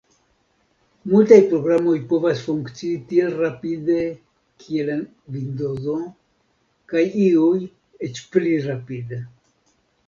Multaj programoj povas funkcii tiel rapide kiel en Vindozo, kaj iuj eĉ pli rapide.